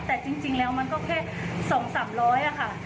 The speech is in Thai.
แต่จริงแล้วมันก็แค่๒๓๐๐ค่ะ